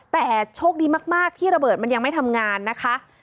แต่โชคดีมากที่ระเบิดมันยังไม่ทำงานนะคะ